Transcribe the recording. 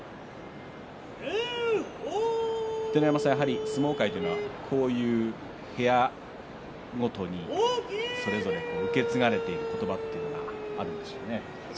秀ノ山さん、相撲界というのはこういう部屋ごとにそれぞれ受け継がれている言葉というのがあるんでしょうね。